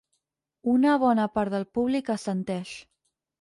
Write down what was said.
Una bona part del públic assenteix.